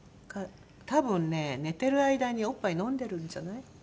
多分ね寝てる間におっぱい飲んでるんじゃない？